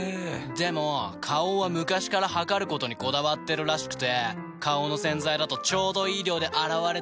でも花王は昔から量ることにこだわってるらしくて花王の洗剤だとちょうどいい量で洗われてるなって。